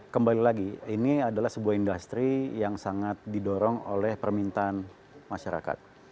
kembali lagi ini adalah sebuah industri yang sangat didorong oleh permintaan masyarakat